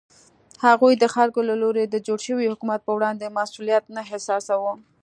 هغوی د خلکو له لوري د جوړ شوي حکومت په وړاندې مسوولیت نه احساساوه.